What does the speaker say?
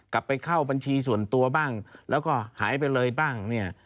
ไปเข้าบัญชีส่วนตัวบ้างแล้วก็หายไปเลยบ้างเนี่ย